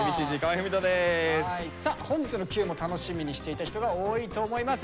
さあ本日の「Ｑ」も楽しみにしていた人が多いと思います。